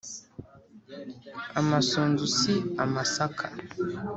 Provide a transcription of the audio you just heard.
- amasunzu si amasaka